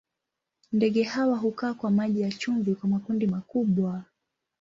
Ndege hawa hukaa kwa maji ya chumvi kwa makundi makubwa.